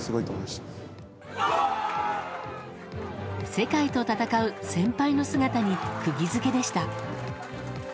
世界と戦う先輩の姿にくぎ付けでした。